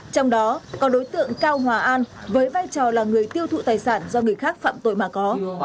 trong đó có đối tượng cao hòa an với vai trò là người tiêu thụ tài sản do người khác phạm tội mà có